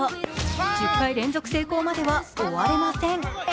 １０回連続成功までは練習を終われません。